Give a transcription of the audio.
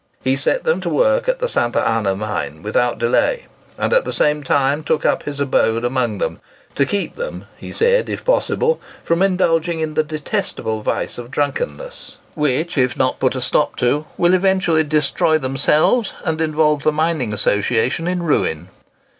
He set them to work at the Santa Anna mine without delay, and at the same time took up his abode amongst them, "to keep them," he said, "if possible, from indulging in the detestable vice of drunkenness, which, if not put a stop to, will eventually destroy themselves, and involve the mining association in ruin."